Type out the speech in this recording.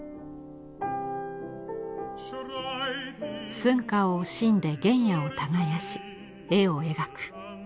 寸暇を惜しんで原野を耕し絵を描く。